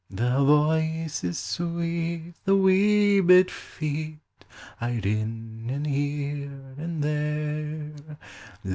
The voices sweet, the wee bit feet Aye rinnin' here and there.